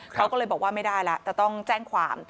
เขาก็เลยบอกว่าไม่ได้แล้วแต่ต้องแจ้งความ